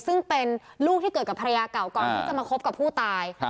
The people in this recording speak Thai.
ซึ่งเป็นลูกที่เกิดกับภรรยาเก่าก่อนที่จะมาคบกับผู้ตาย